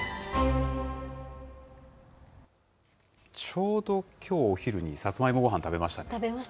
ちょうどきょう、お昼にさつまいもごはん食べましたね。